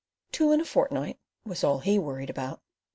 "Two in a fortnight" was all he worried about.